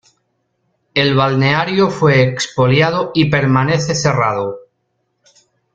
El balneario fue expoliado y permanece cerrado.